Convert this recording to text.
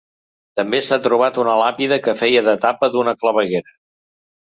També s’ha trobat una làpida que feia de tapa d’una claveguera.